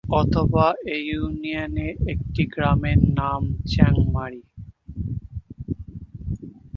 অথবা এ ইউনিয়নের একটি গ্রামের নাম চেংমারি।